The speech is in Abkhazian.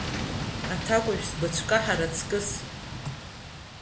Аҭакәажә сбыцәкаҳар аҵкыс…